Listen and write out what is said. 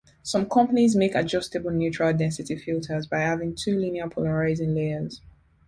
Some companies make adjustable neutral density filters by having two linear polarising layers.